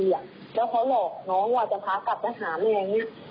แล้วเขาหลอกน้องว่าจะพากลับไปหาแม่อย่างนี้